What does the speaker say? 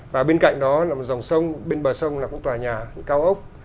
và bên cạnh đó là một dòng sông bên bờ sông là cũng tòa nhà cao ốc